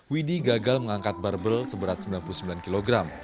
widi gagal mengangkat barbel seberat sembilan puluh sembilan kg